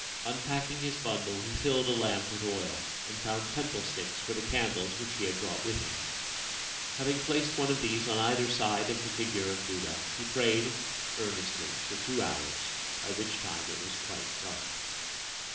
Unpacking his bundle, he filled a lamp with oil, and found temple sticks for the candles which he had brought with him. Having placed one of these on either side of the figure of Buddha, he prayed earnestly for two hours, by which time it was quite dark.